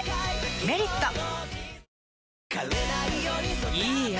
「メリット」いい汗。